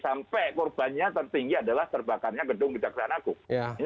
sampai korbannya tertinggi adalah terbakarnya gedung kejaksaan agung